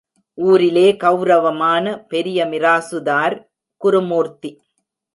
ஊரிலே கௌரவமான பெரிய மிராசுதார் குருமூர்த்தி.